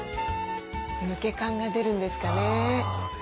抜け感が出るんですかね。